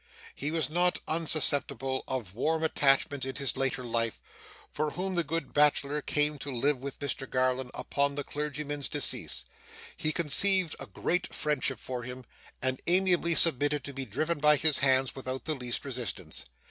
He was not unsusceptible of warm attachments in his later life, for when the good bachelor came to live with Mr Garland upon the clergyman's decease, he conceived a great friendship for him, and amiably submitted to be driven by his hands without the least resistance.